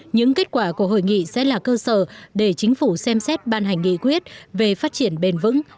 những kết quả của hội nghị sẽ là cơ sở để chính phủ xem xét ban hành nghị quyết về phát triển bền vững